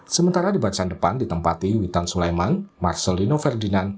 sementara di bacaan depan ditempati witan sulaiman marcelino ferdinand